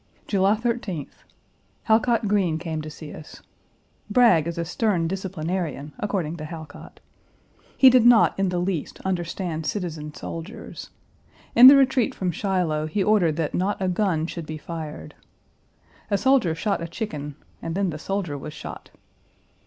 July 13th. Halcott Green came to see us. Bragg is a stern disciplinarian, according to Halcott. He did not in the least understand citizen soldiers. In the retreat from Shiloh he ordered that not a gun should be fired. A soldier shot a chicken, and then the soldier was shot.